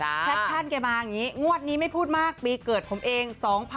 แคปชั่นแกมาอย่างนี้งวดนี้ไม่พูดมากปีเกิดผมเอง